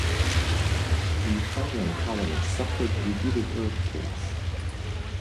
The Italian colony suffered repeated earthquakes.